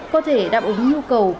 có thể đáp ứng nhu cầu của quốc gia